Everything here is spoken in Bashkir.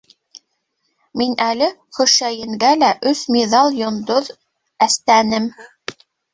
Мин әле Хөшәйенгә лә өс миҙал-йондоҙ әстәнем.